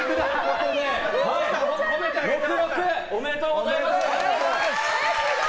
目録、おめでとうございます。